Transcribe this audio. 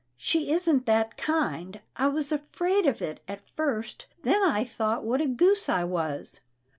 She isn't that kind. I was afraid of it at first, then I thought what a goose I was.